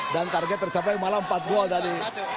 dan target tercapai malah empat gol tadi